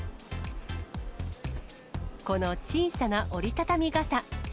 この小さな折り畳み傘。